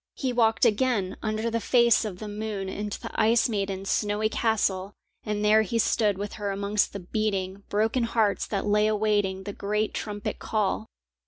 He walked again under the face of the moon into the ice maiden's snowy castle, and there he stood with her amongst the beating, broken hearts that lay awaiting the great trumpet call.